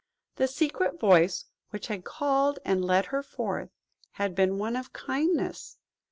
The secret voice which had called and led her forth, had been one of Kindness.